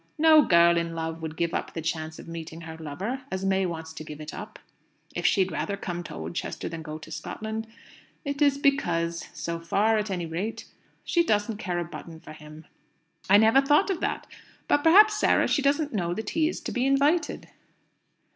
No girl in love would give up the chance of meeting her lover, as May wants to give it up. If she'd rather come to Oldchester than go to Scotland, it is because so far, at any rate she doesn't care a button for him." "I never thought of that. But perhaps, Sarah, she doesn't know that he is to be invited."